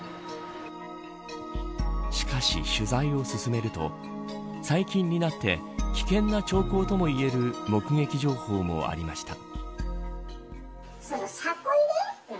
しかし取材を進めると最近になって危険な兆候ともいえる目撃情報もありました。